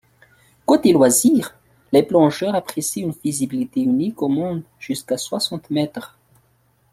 Côté loisirs, les plongeurs apprécient une visibilité unique au monde jusqu'à soixante mètres.